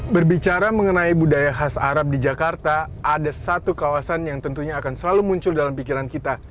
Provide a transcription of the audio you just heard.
berbicara mengenai budaya khas arab di jakarta ada satu kawasan yang tentunya akan selalu muncul dalam pikiran kita